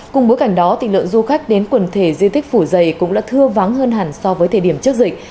cùng bối cảnh đó lượng du khách đến quần thể di tích phủ giày cũng đã thưa vắng hơn hẳn so với thời điểm trước dịch